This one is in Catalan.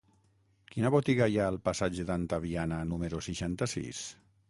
Quina botiga hi ha al passatge d'Antaviana número seixanta-sis?